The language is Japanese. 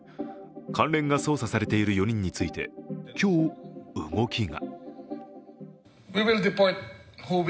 関連が捜査されている４人について今日、動きが。